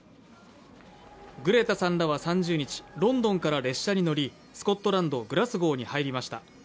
グレタさんらは３０日、ロンドンから列車に乗り、スコットランド・グラスゴーに入りました。